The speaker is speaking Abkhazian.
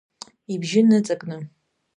Ибжьы ныҵакны.